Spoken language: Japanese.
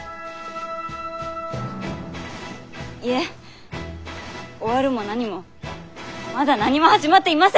いえ終わるも何もまだ何も始まっていません！